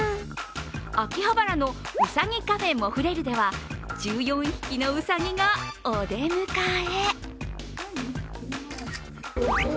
秋葉原のうさぎカフェもふれるでは１４匹のうさぎがお出迎え。